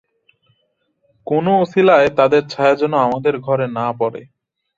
কোন অছিলায় তাদের ছায়া যেন আমাদের ঘরে না পড়ে।